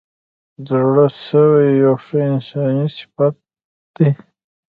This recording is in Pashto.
زړه سوی یو ښه انساني صفت دی.